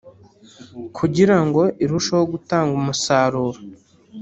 kugira ngo irusheho gutanga umusaruro